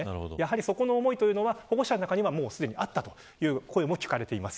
その思いは保護者の中にはあったという声も聞かれています。